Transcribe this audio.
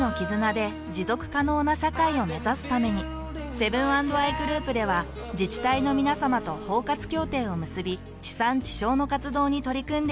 セブン＆アイグループでは自治体のみなさまと包括協定を結び地産地消の活動に取り組んでいます。